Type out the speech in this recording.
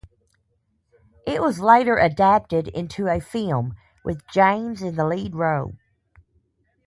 It was later adapted into a film, with James in the lead role.